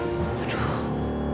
tolong tahan dulu semoga aja